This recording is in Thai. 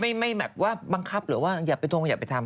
แล้วไม่แบบว่าบังคับหรือว่าอยากไปโทรงอยากไปทำ